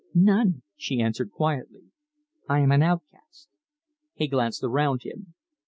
"None," she answered quietly. "I am an outcast." He glanced around him.